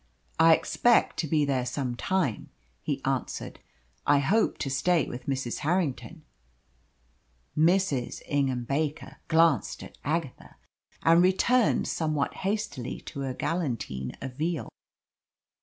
"I expect to be there some time," he answered. "I hope to stay with Mrs. Harrington." Mrs. Ingham Baker glanced at Agatha, and returned somewhat hastily to her galantine of veal.